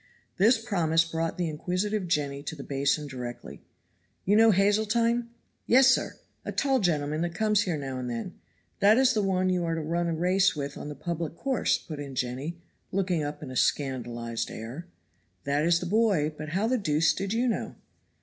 This promise brought the inquisitive Jenny to the basin directly. "You know Hazeltine?" "Yes, sir, a tall gentleman that comes here now and then. That is the one you are to run a race with on the public course," put in Jenny, looking up with a scandalized air. "That is the boy; but how the deuce did you know?"